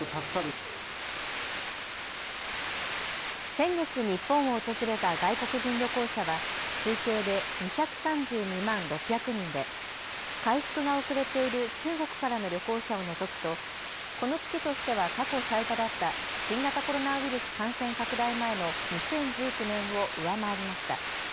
先月、日本を訪れた外国人旅行者は推計で２３２万６００人で回復が遅れている中国からの旅行者を除くと、この月としては過去最多だった新型コロナウイルス感染拡大前の２０１９年を上回りました。